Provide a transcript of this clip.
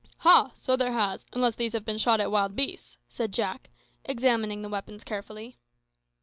"Ha! so there has, unless these have been shot at wild beasts," said Jack, examining the weapons carefully.